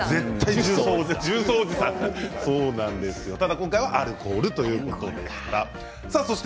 今回はアルコールということでした。